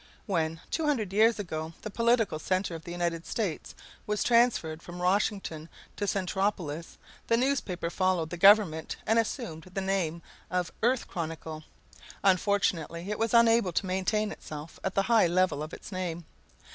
When, 200 years ago, the political center of the United States was transferred from Washington to Centropolis, the newspaper followed the government and assumed the name of Earth Chronicle. Unfortunately, it was unable to maintain itself at the high level of its name.